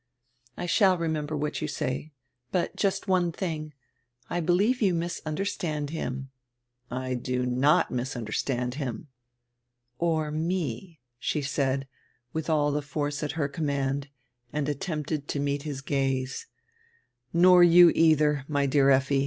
"I shall remember what you say. But just one tiring — I helieve you misunderstand him." "I do not misunderstand him." "Or me," she said, with all dre force at her command, and attenrpted to nreet his gaze. "Nor you eidier, my dear Effi.